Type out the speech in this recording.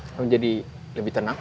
kamu jadi lebih tenang